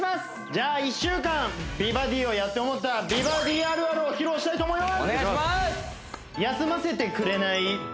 じゃあ１週間美バディをやって思った美バディあるあるを披露したいと思います